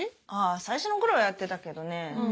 最初の頃はやってたけどね。